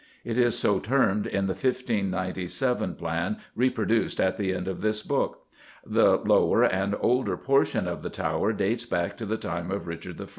It is so termed in the 1597 plan reproduced at the end of this book. The lower and older portion of the tower dates back to the time of Richard I.